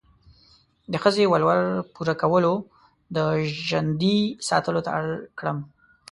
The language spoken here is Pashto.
د ښځې ولور پوره کولو، د ژندې ساتلو ته اړ کړم.